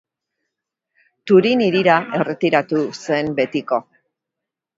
Turin hirira erretiratu zen betiko.